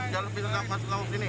jangan masuk ke laut sini